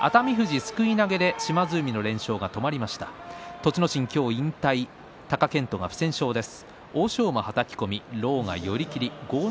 栃ノ心、今日引退貴健斗は不戦勝です。